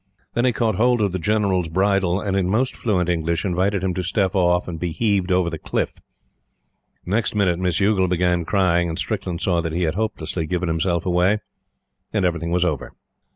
Then he caught hold of the General's bridle, and, in most fluent English, invited him to step off and be heaved over the cliff. Next minute Miss Youghal began crying; and Strickland saw that he had hopelessly given himself away, and everything was over.